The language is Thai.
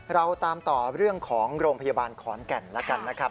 เราตามต่อเรื่องของโรงพยาบาลขอนแก่นแล้วกันนะครับ